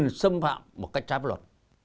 không ai có quyền xâm phạm một cách trái pháp luật